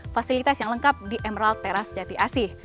fasilitas yang lengkap di emerald teras jati asih